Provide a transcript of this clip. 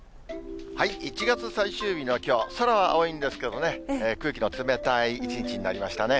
１月最終日のきょう、空は青いんですけどね、空気の冷たい一日になりましたね。